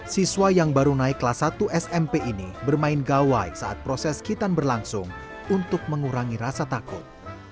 siswa yang baru naik kelas satu smp ini bermain gawai saat proses kita berlangsung untuk mengurangi rasa takut